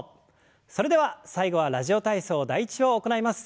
それでは最後は「ラジオ体操第１」を行います。